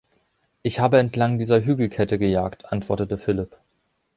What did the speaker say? Ich habe entlang dieser Hügelkette gejagt, antwortete Philip.